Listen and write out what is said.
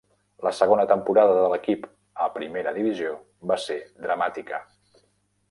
La segona temporada de l'equip a primera divisió va ser dramàtica.